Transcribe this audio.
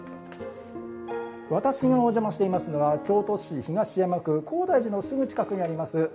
私がお邪魔していますのは京都市東山区高台寺のすぐ近くにあります